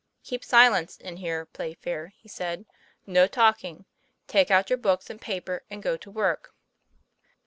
"Keep silence in here, Playfair," he said, "no talking; take out your books and paper and go to work."